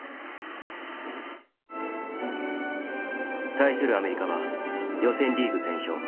対するアメリカは予選リーグ全勝。